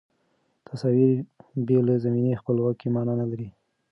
تصاویر بې له زمینه خپلواک معنا نه لري.